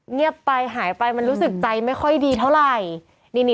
เงียบไปหายไปมันรู้สึกใจไม่ค่อยดีเท่าไหร่